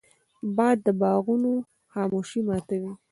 باد د باغونو خاموشي ماتوي